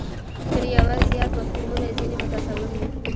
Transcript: تر یوه زیات مفهومونه ځنې متصور وي.